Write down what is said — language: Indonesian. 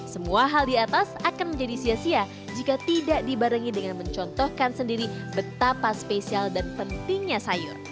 semua hal di atas akan menjadi sia sia jika tidak dibarengi dengan mencontohkan sendiri betapa spesial dan pentingnya sayur